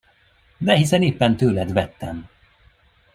De hiszen éppen tőled vettem!